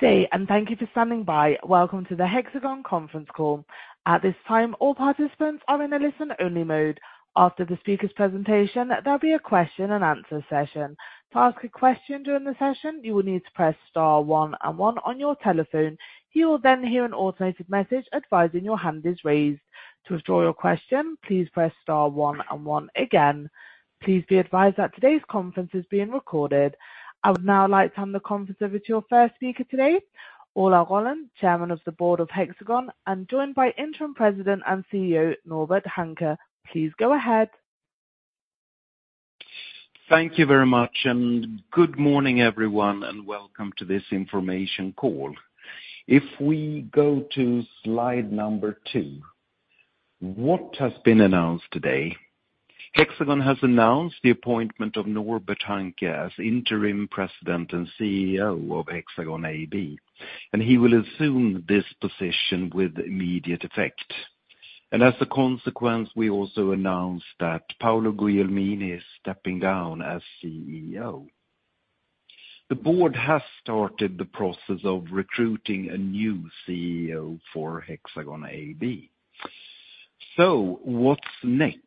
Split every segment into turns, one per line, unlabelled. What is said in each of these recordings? Good day, and thank you for standing by. Welcome to the Hexagon Conference Call. At this time, all participants are in a listen-only mode. After the speaker's presentation, there'll be a question-and-answer session. To ask a question during the session, you will need to press star one and one on your telephone. You will then hear an automated message advising your hand is raised. To withdraw your question, please press star one and one again. Please be advised that today's conference is being recorded. I would now like to hand the conference over to your first speaker today, Ola Rollén, Chairman of the Board of Hexagon, and joined by Interim President and CEO, Norbert Hanke. Please go ahead.
Thank you very much, and good morning, everyone, and welcome to this information call. If we go to slide number two, what has been announced today? Hexagon has announced the appointment of Norbert Hanke as Interim President and CEO of Hexagon AB, and he will assume this position with immediate effect, and as a consequence, we also announced that Paolo Guglielmin is stepping down as CEO. The board has started the process of recruiting a new CEO for Hexagon AB, so what's next?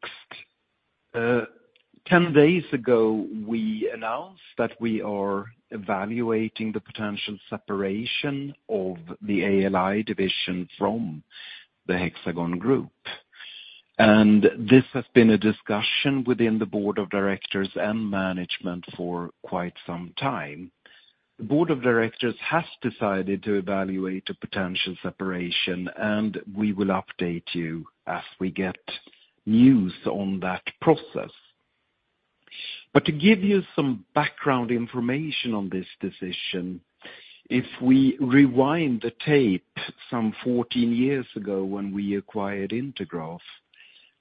10 days ago, we announced that we are evaluating the potential separation of the ALI division from the Hexagon Group, and this has been a discussion within the Board of Directors and Management for quite some time. The Board of Directors has decided to evaluate a potential separation, and we will update you as we get news on that process. But to give you some background information on this decision, if we rewind the tape some 14 years ago when we acquired Intergraph,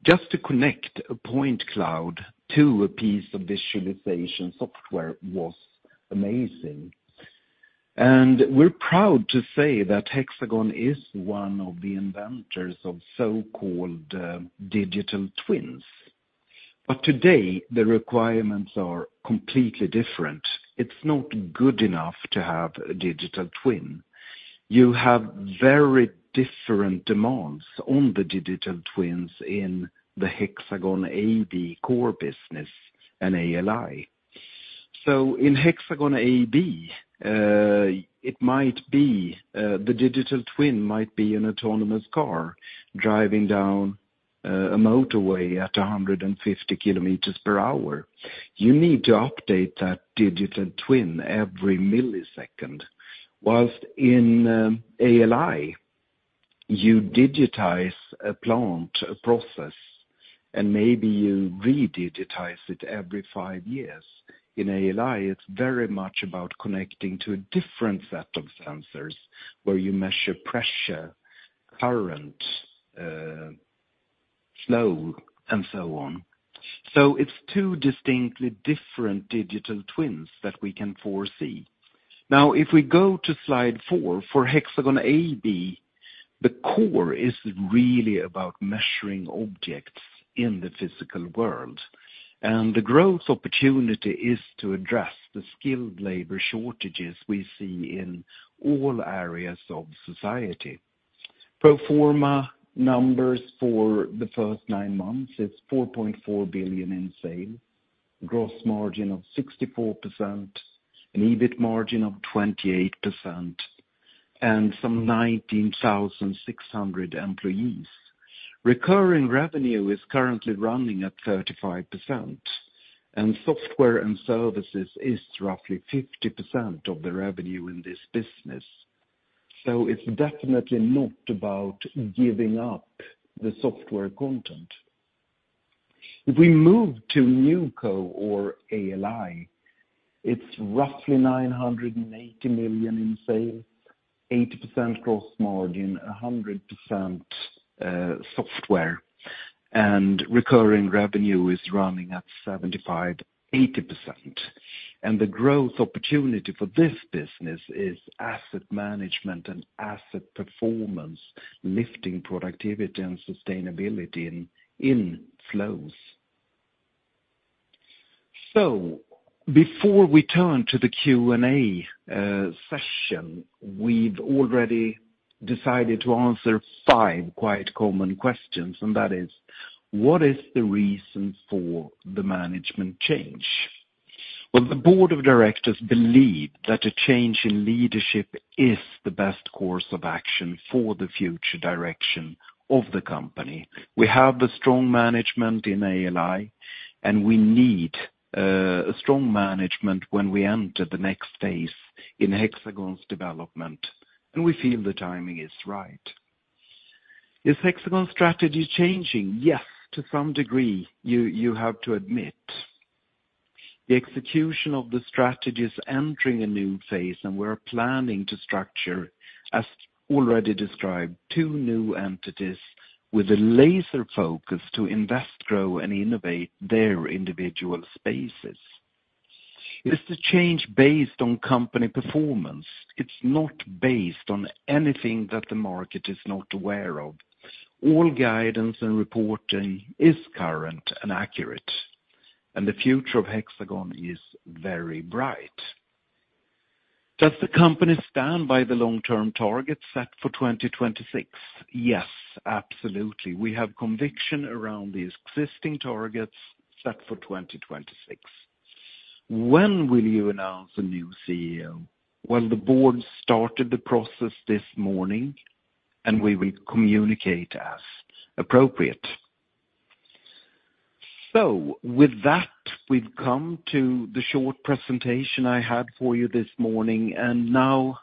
just to connect a point cloud to a piece of visualization software was amazing. And we're proud to say that Hexagon is one of the inventors of so-called digital twins. But today, the requirements are completely different. It's not good enough to have a digital twin. You have very different demands on the digital twins in the Hexagon AB core business and ALI. So in Hexagon AB, the digital twin might be an autonomous car driving down a motorway at 150 km /h. You need to update that digital twin every millisecond. Whilst in ALI, you digitize a plant, a process, and maybe you re-digitize it every five years. In ALI, it's very much about connecting to a different set of sensors where you measure pressure, current, flow, and so on. So it's two distinctly different digital twins that we can foresee. Now, if we go to slide four, for Hexagon AB, the core is really about measuring objects in the physical world, and the growth opportunity is to address the skilled labor shortages we see in all areas of society. Pro forma numbers for the first nine months is 4.4 billion in sales, gross margin of 64%, an EBIT margin of 28%, and some 19,600 employees. Recurring revenue is currently running at 35%, and software and services is roughly 50% of the revenue in this business. So it's definitely not about giving up the software content. If we move to NewCo or ALI, it's roughly 980 million in sales, 80% gross margin, 100% software, and recurring revenue is running at 75%-80%. And the growth opportunity for this business is asset management and asset performance, lifting productivity and sustainability in flows. So before we turn to the Q&A session, we've already decided to answer five quite common questions, and that is, what is the reason for the management change? Well, the Board of Directors believe that a change in leadership is the best course of action for the future direction of the company. We have a strong management in ALI, and we need a strong management when we enter the next phase in Hexagon's development, and we feel the timing is right. Is Hexagon's strategy changing? Yes, to some degree, you have to admit. The execution of the strategy is entering a new phase, and we're planning to structure, as already described, two new entities with a laser focus to invest, grow, and innovate their individual spaces. It's a change based on company performance. It's not based on anything that the market is not aware of. All guidance and reporting is current and accurate, and the future of Hexagon is very bright. Does the company stand by the long-term targets set for 2026? Yes, absolutely. We have conviction around the existing targets set for 2026. When will you announce a new CEO? Well, the board started the process this morning, and we will communicate as appropriate. So, with that, we've come to the short presentation I had for you this morning, and now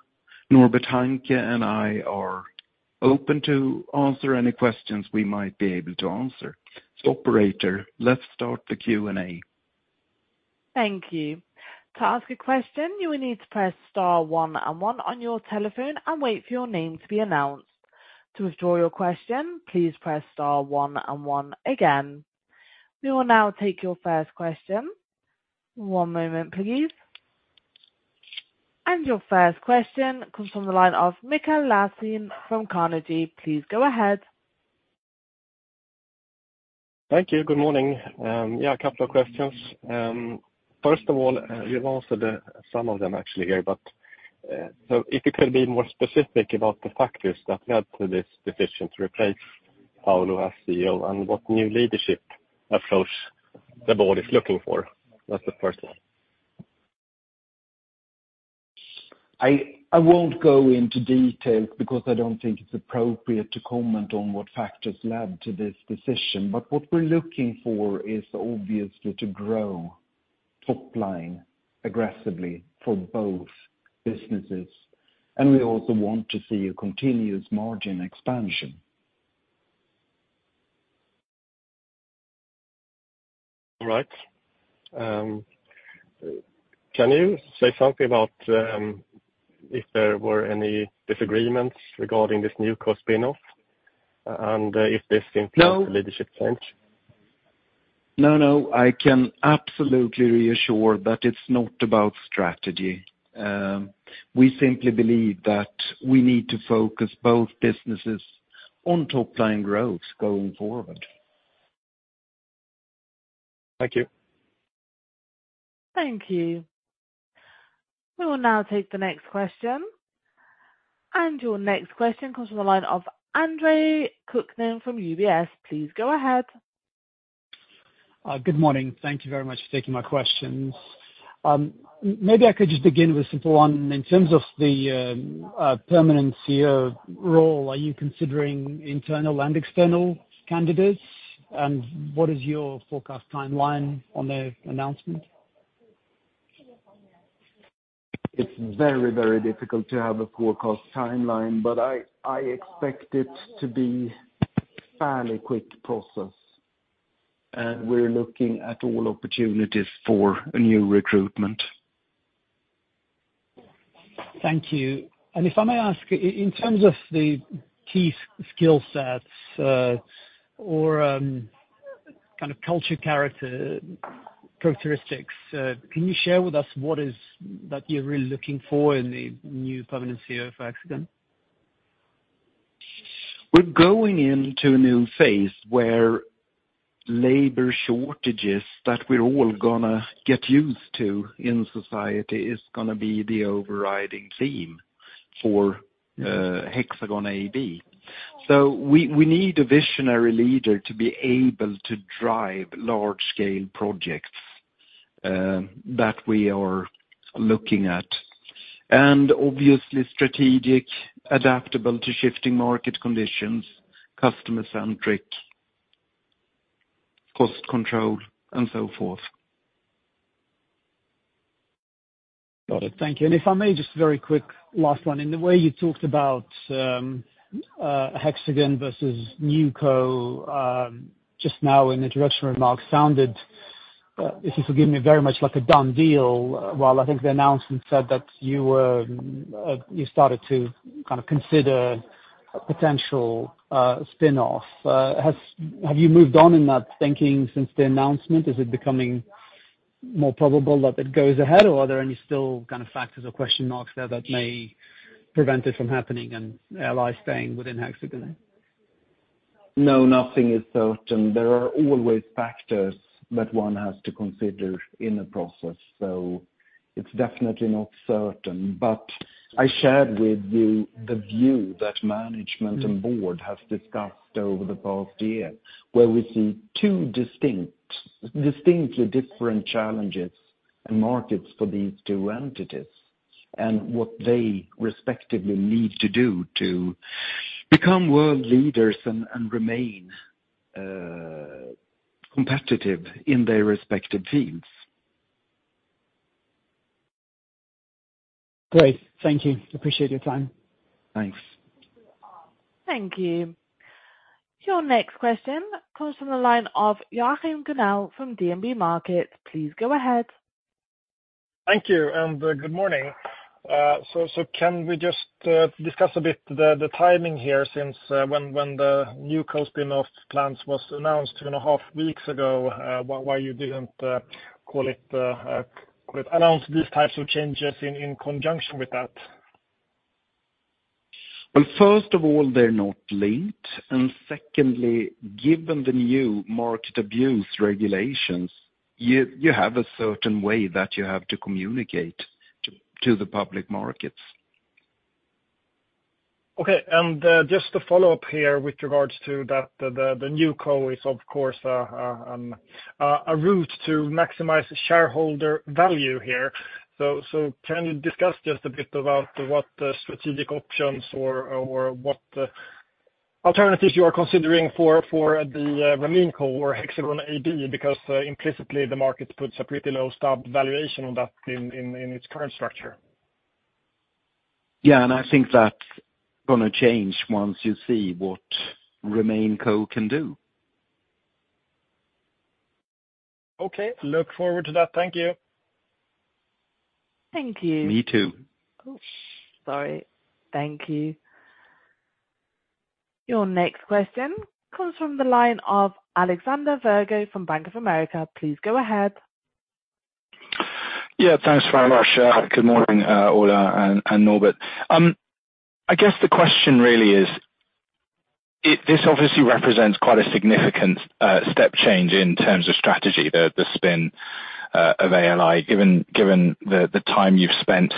Norbert Hanke and I are open to answer any questions we might be able to answer. So Operator, let's start the Q&A.
Thank you. To ask a question, you will need to press star one and one on your telephone and wait for your name to be announced. To withdraw your question, please press star one and one again. We will now take your first question. One moment, please. And your first question comes from the line of Mikael Laséen from Carnegie. Please go ahead.
Thank you. Good morning. Yeah, a couple of questions. First of all, you've answered some of them actually here, but if you could be more specific about the factors that led to this decision to replace Paulo as CEO and what new leadership approach the board is looking for, that's the first one.
I won't go into details because I don't think it's appropriate to comment on what factors led to this decision, but what we're looking for is obviously to grow top-line aggressively for both businesses, and we also want to see a continuous margin expansion.
All right. Can you say something about if there were any disagreements regarding this NewCo spinoff and if this influenced
No
The leadership change?
No, no. I can absolutely reassure that it's not about strategy. We simply believe that we need to focus both businesses on top-line growth going forward.
Thank you.
Thank you. We will now take the next question. And your next question comes from the line of Andre Kukhnin from UBS. Please go ahead.
Good morning. Thank you very much for taking my questions. Maybe I could just begin with a simple one. In terms of the permanent CEO role, are you considering internal and external candidates, and what is your forecast timeline on the announcement?
It's very, very difficult to have a forecast timeline, but I expect it to be a fairly quick process, and we're looking at all opportunities for new recruitment.
Thank you. And if I may ask, in terms of the key skill sets or kind of culture character characteristics, can you share with us what is that you're really looking for in the new permanent CEO for Hexagon?
We're going into a new phase where labor shortages that we're all going to get used to in society is going to be the overriding theme for Hexagon AB. So we need a visionary leader to be able to drive large-scale projects that we are looking at, and obviously strategic, adaptable to shifting market conditions, customer-centric, cost control, and so forth.
Got it. Thank you, and if I may, just a very quick last one. In the way you talked about Hexagon versus NewCo just now in introductory remarks sounded, if you forgive me, very much like a done deal, well, I think the announcement said that you started to kind of consider a potential spinoff. Have you moved on in that thinking since the announcement? Is it becoming more probable that it goes ahead, or are there any still kind of factors or question marks there that may prevent it from happening and ALI staying within Hexagon?
No, nothing is certain. There are always factors that one has to consider in the process, so it's definitely not certain. But I shared with you the view that management and board have discussed over the past year, where we see two distinctly different challenges and markets for these two entities and what they respectively need to do to become world leaders and remain competitive in their respective fields.
Great. Thank you. Appreciate your time.
Thanks.
Thank you. Your next question comes from the line of Joachim Gunell from DNB Markets. Please go ahead.
Thank you. And good morning. So can we just discuss a bit the timing here, since when the NewCo spinoff plans was announced two and a half weeks ago, why you didn't call it announced these types of changes in conjunction with that?
First of all, they're not linked. And secondly, given the new market abuse regulations, you have a certain way that you have to communicate to the public markets.
Okay. And just to follow up here with regards to that, the NewCo is, of course, a route to maximize shareholder value here. So can you discuss just a bit about what strategic options or what alternatives you are considering for the RemainCo or Hexagon AB because implicitly the market puts a pretty low stub valuation on that in its current structure?
Yeah, and I think that's going to change once you see what RemainCo can do.
Okay. Look forward to that. Thank you.
Thank you.
Me too.
Oh, sorry. Thank you. Your next question comes from the line of Alexander Virgo from Bank of America. Please go ahead.
Yeah. Thanks very much. Good morning, Ola and Norbert. I guess the question really is, this obviously represents quite a significant step change in terms of strategy, the spin of ALI, given the time you've spent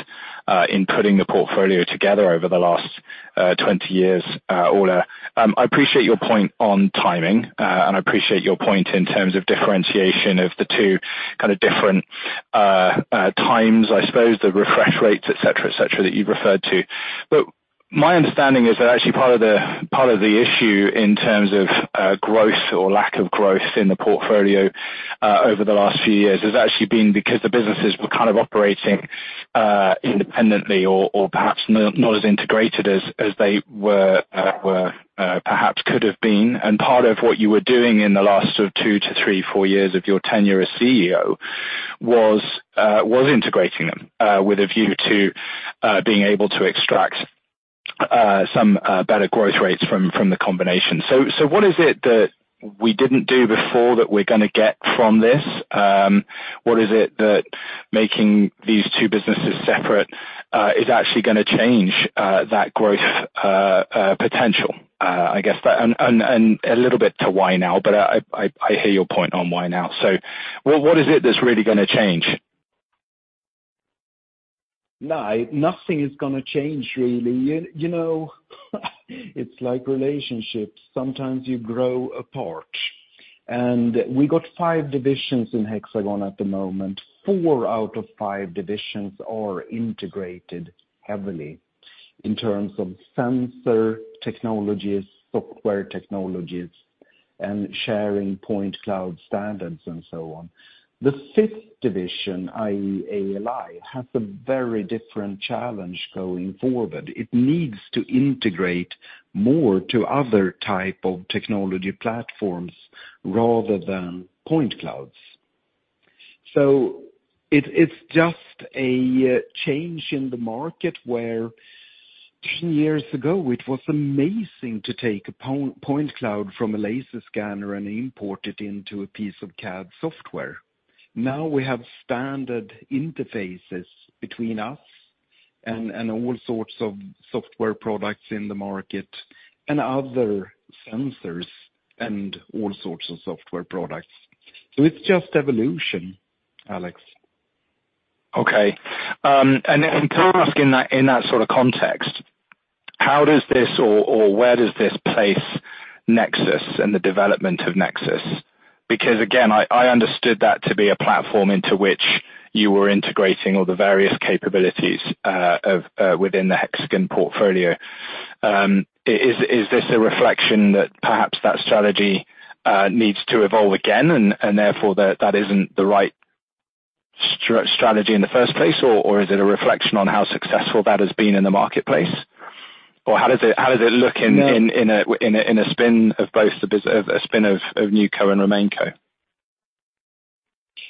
in putting the portfolio together over the last 20 years, Ola. I appreciate your point on timing, and I appreciate your point in terms of differentiation of the two kind of different times, I suppose, the refresh rates, etc., etc., that you've referred to. But my understanding is that actually part of the issue in terms of growth or lack of growth in the portfolio over the last few years has actually been because the businesses were kind of operating independently or perhaps not as integrated as they perhaps could have been. And part of what you were doing in the last sort of two to three, four years of your tenure as CEO was integrating them with a view to being able to extract some better growth rates from the combination. So what is it that we didn't do before that we're going to get from this? What is it that making these two businesses separate is actually going to change that growth potential, I guess, and a little bit to why now, but I hear your point on why now. So what is it that's really going to change?
No, nothing is going to change really. It's like relationships. Sometimes you grow apart, and we got five divisions in Hexagon at the moment. Four out of five divisions are integrated heavily in terms of sensor technologies, software technologies, and sharing point cloud standards and so on. The fifth division, i.e., ALI, has a very different challenge going forward. It needs to integrate more to other types of technology platforms rather than point clouds, so it's just a change in the market where 10 years ago, it was amazing to take a point cloud from a laser scanner and import it into a piece of CAD software. Now we have standard interfaces between us and all sorts of software products in the market and other sensors and all sorts of software products, so it's just evolution, Alex.
Okay. And can I ask in that sort of context, how does this or where does this place Nexus and the development of Nexus? Because again, I understood that to be a platform into which you were integrating all the various capabilities within the Hexagon portfolio. Is this a reflection that perhaps that strategy needs to evolve again and therefore that isn't the right strategy in the first place, or is it a reflection on how successful that has been in the marketplace? Or how does it look in a spin of both the spin of NewCo and RemainCo?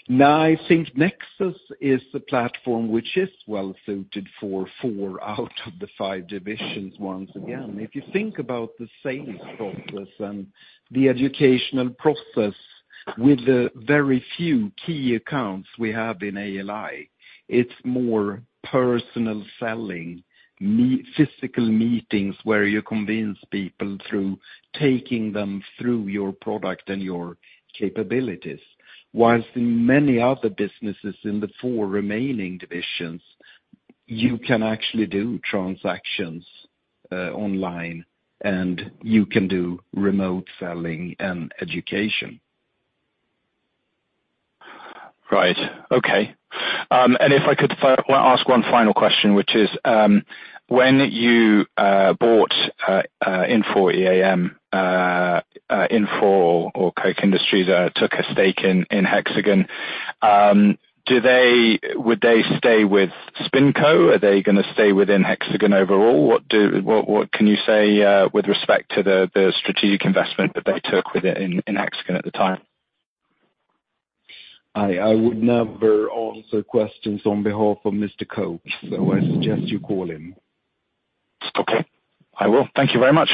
No, I think Nexus is the platform which is well suited for four out of the five divisions once again. If you think about the sales process and the educational process with the very few key accounts we have in ALI, it's more personal selling, physical meetings where you convince people through taking them through your product and your capabilities. While in many other businesses in the four remaining divisions, you can actually do transactions online and you can do remote selling and education.
Right. Okay. And if I could ask one final question, which is when you bought Infor EAM, Infor or Koch Industries took a stake in Hexagon, would they stay with SpinCo? Are they going to stay within Hexagon overall? What can you say with respect to the strategic investment that they took within Hexagon at the time?
I would never answer questions on behalf of Mr. Koch, so I suggest you call him.
Okay. I will. Thank you very much.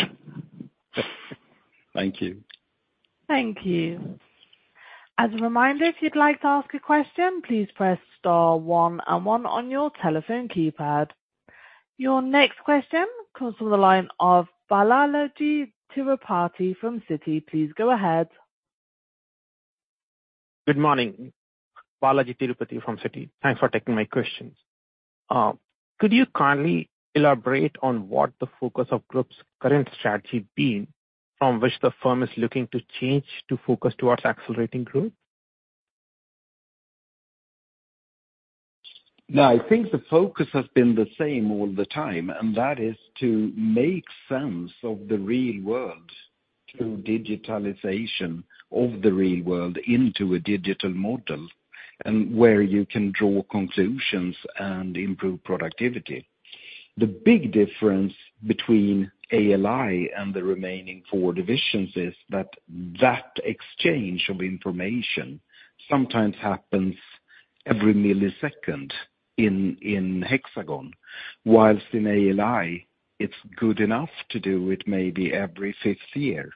Thank you.
Thank you. As a reminder, if you'd like to ask a question, please press star one and one on your telephone keypad. Your next question comes from the line of Balajee Tirupati from Citi. Please go ahead.
Good morning. Balajee Tirupati from Citi. Thanks for taking my questions. Could you kindly elaborate on what the focus of Group's current strategy has been from which the firm is looking to change to focus towards accelerating growth?
No, I think the focus has been the same all the time, and that is to make sense of the real world, to digitalization of the real world into a digital model and where you can draw conclusions and improve productivity. The big difference between ALI and the remaining four divisions is that that exchange of information sometimes happens every millisecond in Hexagon, whilst in ALI, it's good enough to do it maybe every fifth year.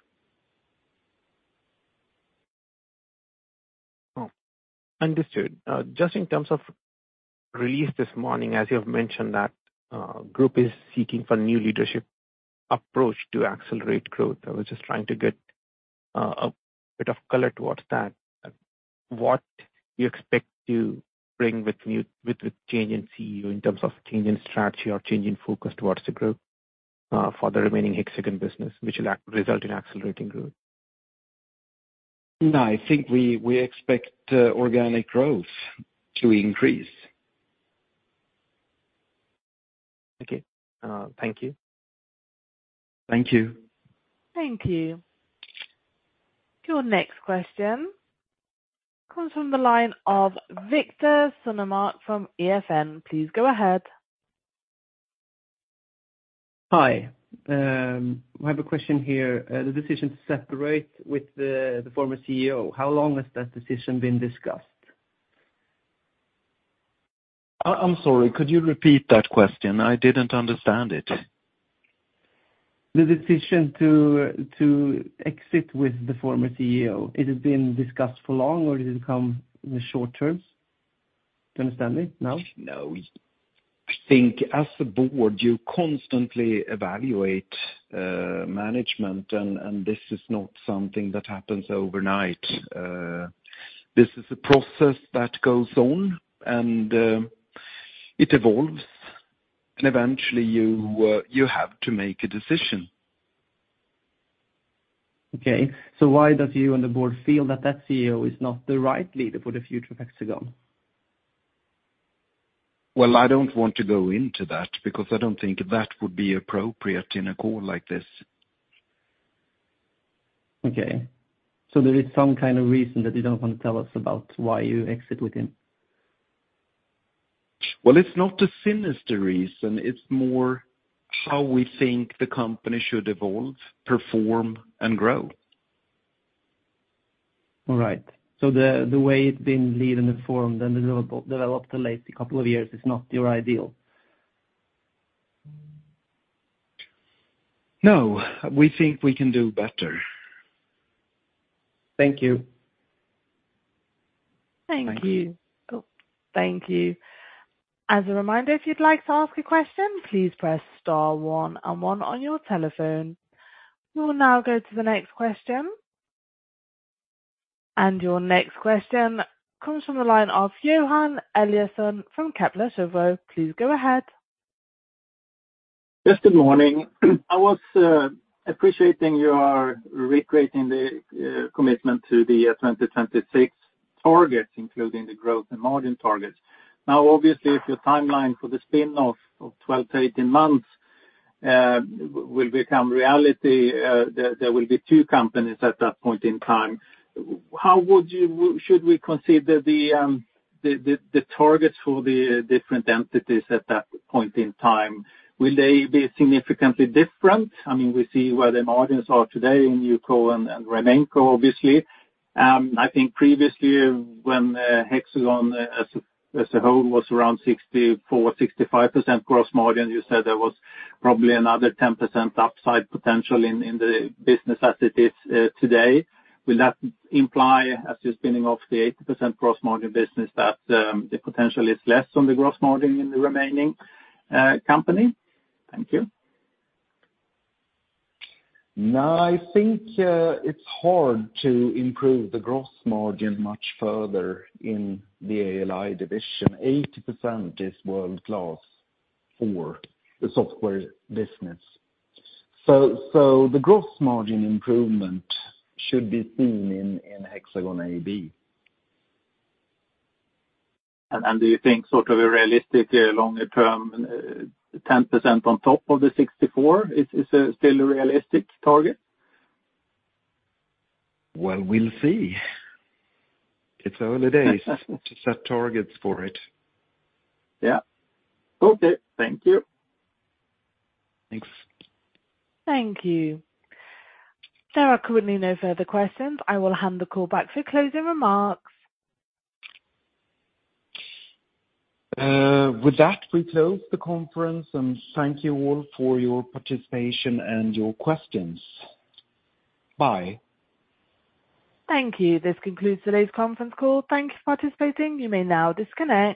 Understood. Just in terms of release this morning, as you have mentioned, that group is seeking for new leadership approach to accelerate growth. I was just trying to get a bit of color toward that. What do you expect to bring with change in CEO in terms of change in strategy or change in focus toward the growth for the remaining Hexagon business, which will result in accelerating growth?
No, I think we expect organic growth to increase.
Okay. Thank you.
Thank you.
Thank you. Your next question comes from the line of Viktor Sunnemark from EFN. Please go ahead.
Hi. I have a question here. The decision to separate with the former CEO, how long has that decision been discussed?
I'm sorry. Could you repeat that question? I didn't understand it.
The decision to exit with the former CEO, has it been discussed for long, or has it come in the short term? Do you understand me now?
No. I think as a board, you constantly evaluate management, and this is not something that happens overnight. This is a process that goes on, and it evolves, and eventually, you have to make a decision.
Okay, so why do you and the board feel that CEO is not the right leader for the future of Hexagon?
I don't want to go into that because I don't think that would be appropriate in a call like this.
Okay, so there is some kind of reason that you don't want to tell us about why you exit with him?
It's not a sinister reason. It's more how we think the company should evolve, perform, and grow.
All right. So the way it's been leading the firm and developed the last couple of years is not your ideal?
No. We think we can do better.
Thank you.
Thank you. Thank you. As a reminder, if you'd like to ask a question, please press star one and one on your telephone. We will now go to the next question, and your next question comes from the line of Johan Eliason from Kepler Cheuvreux. Please go ahead.
Good morning. I was appreciating your recreating the commitment to the 2026 targets, including the growth and margin targets. Now, obviously, if your timeline for the spin-off of 12-18 months will become reality, there will be two companies at that point in time. How should we consider the targets for the different entities at that point in time? Will they be significantly different? I mean, we see where the margins are today in NewCo and RemainCo, obviously. I think previously, when Hexagon as a whole was around 64%-65% gross margin, you said there was probably another 10% upside potential in the business as it is today. Will that imply, as you're spinning off the 80% gross margin business, that the potential is less on the gross margin in the remaining company? Thank you.
No, I think it's hard to improve the gross margin much further in the ALI division. 80% is world-class for the software business. So the gross margin improvement should be seen in Hexagon AB.
Do you think sort of a realistic longer-term 10% on top of the 64 is still a realistic target?
We'll see. It's early days to set targets for it.
Yeah. Okay. Thank you.
Thanks.
Thank you. There are currently no further questions. I will hand the call back for closing remarks.
With that, we close the conference, and thank you all for your participation and your questions. Bye.
Thank you. This concludes today's conference call. Thank you for participating. You may now disconnect.